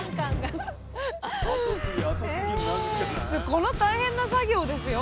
この大変な作業をですよ